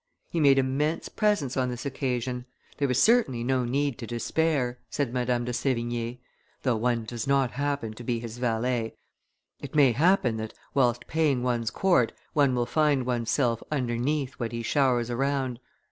"He made immense presents on this occasion; there is certainly no need to despair," said Madame de Sevigne, "though one does not happen to be his valet; it may happen that, whilst paying one's court, one will find one's self underneath what he showers around.